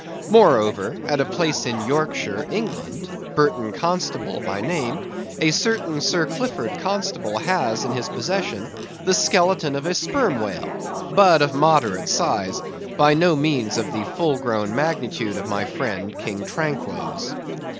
Moreover, at a place in Yorkshire, England, Burton Constable by name, a certain Sir Clifford Constable has in his possession the skeleton of a Sperm Whale, but of moderate size, by no means of the full grown magnitude of my friend King Tranquo's.